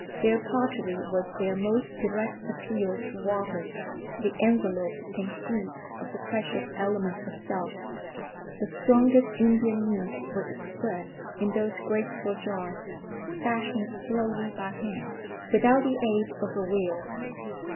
Their pottery was their most direct appeal to water, the envelope and sheath of the precious element itself. The strongest Indian need was expressed in those graceful jars, fashioned slowly by hand, without the aid of a wheel.